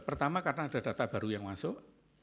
pertama karena ada data baru yang masuk